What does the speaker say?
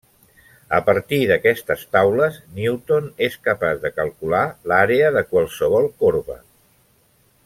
A partir d’aquestes taules newton és capaç de calcular l’àrea de qualsevol corba.